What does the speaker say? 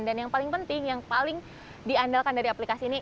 dan yang paling penting yang paling diandalkan dari aplikasi ini